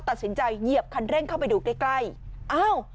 เหยียบคันเร่งเข้าไปดูใกล้ใกล้อ้าว